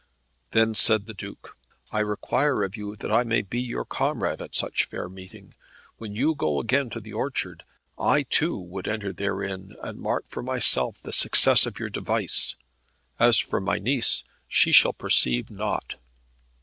Then said the Duke, "I require of you that I may be your comrade at such fair meeting. When you go again to the orchard, I too, would enter therein, and mark for myself the success of your device. As for my niece she shall perceive naught."